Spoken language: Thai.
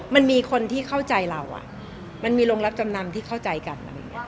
มันมีคนที่เข้าใจเรามันมีโรงรับจำนำที่เข้าใจกัน